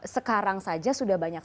sekarang saja sudah banyak